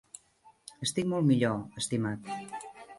Estic molt millor, estimat.